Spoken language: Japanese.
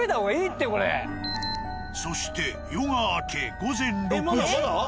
そして夜が明け午前６時。